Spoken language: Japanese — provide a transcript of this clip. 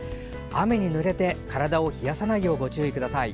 雨にぬれて体を冷やさないようご注意ください。